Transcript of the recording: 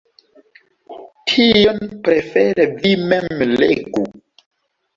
Tion prefere vi mem legu.